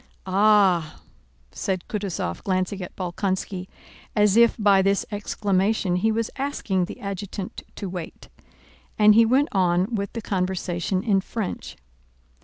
"Ah!..." said Kutúzov glancing at Bolkónski as if by this exclamation he was asking the adjutant to wait, and he went on with the conversation in French.